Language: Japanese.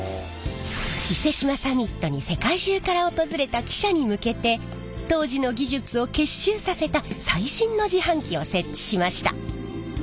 伊勢志摩サミットに世界中から訪れた記者に向けて当時の技術を結集させた最新の自販機を設置しました。